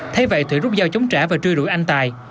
thế vậy thủy rút dao chống trả và trui rủi anh tài